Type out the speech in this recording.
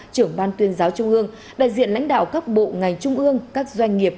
trưởng ban tuyên giáo trung ương đại diện lãnh đạo các bộ ngành trung ương các doanh nghiệp